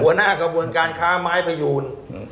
หัวหน้ากระบวนการค้าไม้พยูน